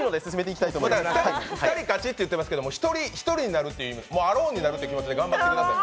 ２人勝ちって言ってますけど１人勝ち、アローンになるという気持ちで頑張ってください。